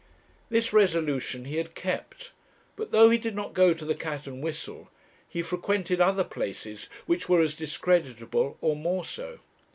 This resolution he had kept; but though he did not go to the 'Cat and Whistle,' he frequented other places which were as discreditable, or more so.